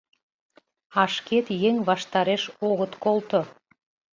А шкет еҥ ваштареш огыт колто.